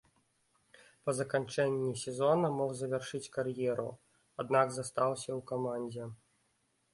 Па заканчэнні сезона мог завяршыць кар'еру, аднак застаўся ў камандзе.